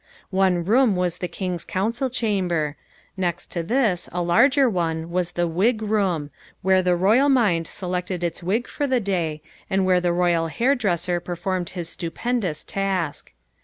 One room was the King's council chamber; next to this, a larger one, was the "wig room," where the royal mind selected its wig for the day and where the royal hair dresser performed his stupendous task.